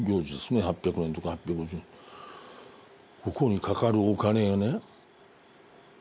ここにかかるお金がね